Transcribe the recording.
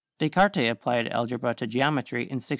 Descartes applied algebra to geometry in 1637.